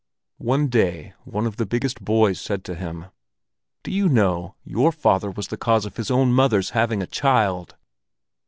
One day one of the biggest boys said to him: "Do you know, your father was the cause of his own mother's having a child!"